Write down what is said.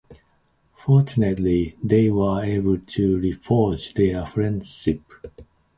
Fortunately they were able to reforge their friendship.